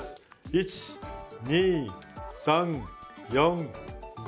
１２３４５。